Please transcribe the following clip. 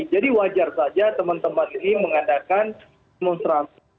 jadi wajar saja teman teman ini mengadakan demonstrasi